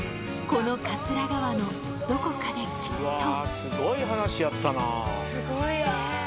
この桂川のどこかできっと。